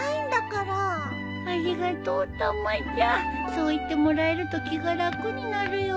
そう言ってもらえると気が楽になるよ。